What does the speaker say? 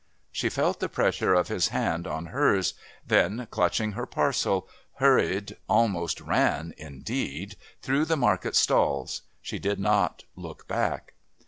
She felt the pressure of his hand on hers, then, clutching her parcel, hurried, almost ran, indeed, through the market stalls. She did not look back.